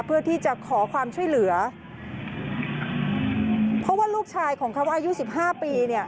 เพื่อที่จะขอความช่วยเหลือเพราะว่าลูกชายของเขาอายุสิบห้าปีเนี่ย